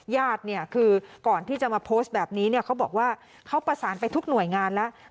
ญาติเนี่ยคือก่อนที่จะมาโพสต์แบบนี้เนี่ยเขาบอกว่าเขาประสานไปทุกหน่วยงานแล้ว